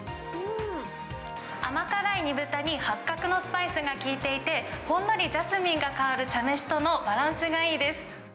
甘辛い煮豚にはっかくのスパイスが効いていて、ほんのりジャスミンが香る茶飯とのバランスがいいです。